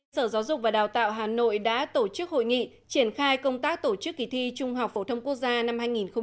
sở giáo dục và đào tạo hà nội đã tổ chức hội nghị triển khai công tác tổ chức kỳ thi trung học phổ thông quốc gia năm hai nghìn một mươi chín